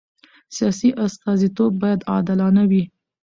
سیاسي استازیتوب باید عادلانه وي